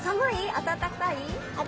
暖かい？